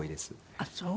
あっそう。